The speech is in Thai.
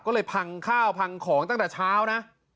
ก็เลยพังข้าวพังของตั้งแต่เช้านะ